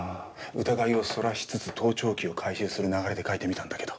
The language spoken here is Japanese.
疑いをそらしつつ盗聴器を回収する流れで書いてみたんだけど。